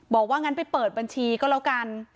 บอกว่างั้นไปเปิดบัญชีก็แล้วกัน